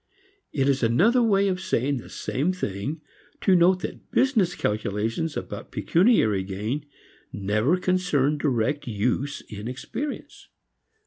It is another way of saying the same thing to note that business calculations about pecuniary gain never concern direct use in experience.